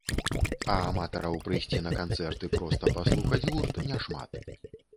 А аматараў прыйсці на канцэрт і проста паслухаць гурт не шмат.